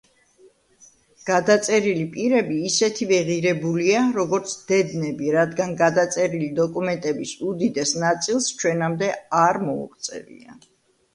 გადაწერილი პირები ისეთივე ღირებულია, როგორც დედნები, რადგან გადაწერილი დოკუმენტების უდიდეს ნაწილს ჩვენამდე არ მოუღწევია.